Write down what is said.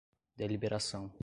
deliberação